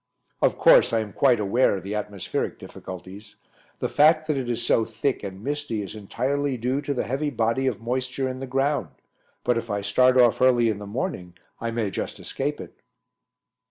"Of course, I am quite aware of the atmospheric difficulties. The fact that it is so thick and misty is entirely due to the heavy body of moisture in the ground but if I start off early in the morning I may just escape it."